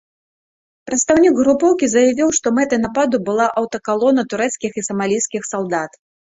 Прадстаўнік групоўкі заявіў, што мэтай нападу была аўтакалона турэцкіх і самалійскіх салдат.